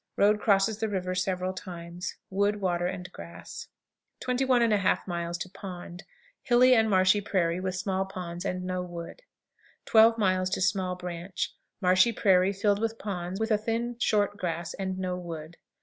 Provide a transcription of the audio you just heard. Road crosses the river several times. Wood, water, and grass. 21 1/2. Pond. Hilly and marshy prairie, with small ponds, and no wood. 12. Small Branch. Marshy prairie, filled with ponds, with a thin, short grass, and no wood.